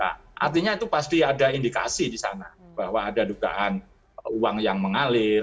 artinya itu pasti ada indikasi di sana bahwa ada dugaan uang yang mengalir